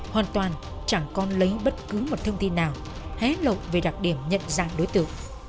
hoàn toàn chẳng con lấy bất cứ một thông tin nào hé lộ về đặc điểm nhận dạng đối tượng